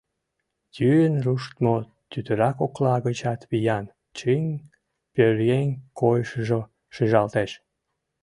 Йӱын руштмо тӱтыра кокла гычат виян, чын пӧръеҥ койышыжо шижалтеш.